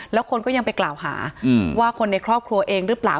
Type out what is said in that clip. แล้วคนก็ยังไปกล่าวหาว่าคนในครอบครัวเองหรือเปล่า